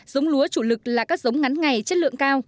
giống lúa chủ lực là các giống ngắn ngày chất lượng cao